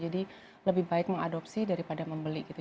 jadi lebih baik mengadopsi daripada membeli gitu